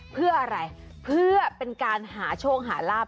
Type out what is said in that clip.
เพื่ออะไรเพื่อเป็นการหาโชคหาลาบ